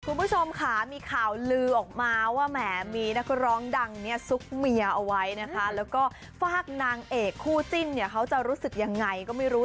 คุณผู้ชมค่ะมีข่าวลือออกมาว่ามีนักร้องดังนั่งทรุกเมียอวยแล้วก็หวากนางเอกคู่จิ้นเขาจะรู้สึกยังไงก็ไม่รู้